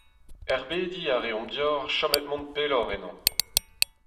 Erbediñ a reomp deoc'h chom hep mont pelloc'h ennañ.